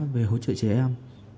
về hỗ trợ trẻ em